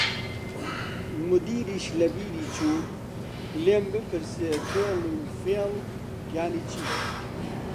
مودیریش لە بیری چوو لێم بپرسێ توێڵ و فێڵ یانی چی؟